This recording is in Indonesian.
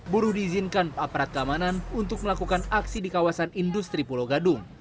buruh diizinkan aparat keamanan untuk melakukan aksi di kawasan industri pulau gadung